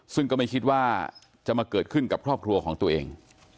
ซึ่งก็ไม่คิดว่าจะมาเกิดขึ้นกับครอบครัวของตัวเอง